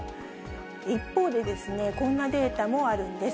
一方で、こんなデータもあるんです。